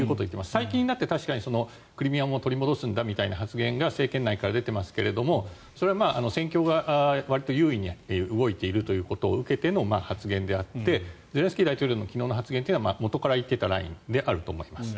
最近になってクリミアも取り戻すんだという話も政権内から出ていますがそれは戦況がわりと優位に動いているということを受けての発言であってゼレンスキー大統領の昨日の発言というのは元から言っていたラインであると思います。